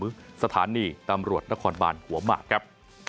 มือสถานีตำรวจนครบัณฑ์หัวมากครับ